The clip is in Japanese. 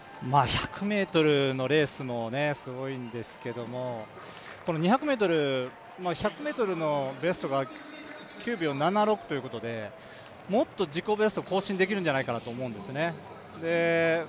１００ｍのレースもすごいんですけれども２００ｍ、１００ｍのベストが９秒７６ということでもっと自己ベストを更新できるんじゃないかなと思うんですね。